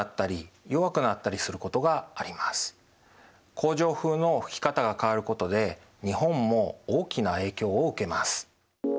恒常風の吹き方が変わることで日本も大きな影響を受けます。